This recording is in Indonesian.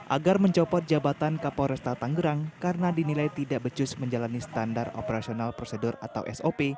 agar mencopot jabatan kapolresta tanggerang karena dinilai tidak becus menjalani standar operasional prosedur atau sop